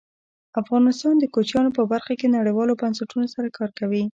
افغانستان د کوچیانو په برخه کې نړیوالو بنسټونو سره کار کوي.